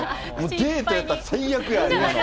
デートやったら最悪や、今の。